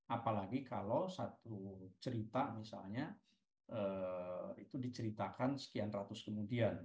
apalagi kalau satu cerita misalnya itu diceritakan sekian ratus kemudian